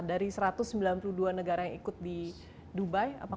dari satu ratus sembilan puluh dua negara yang ikut di dubai